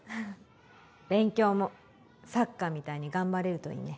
勉強もサッカーみたいに頑張れるといいね。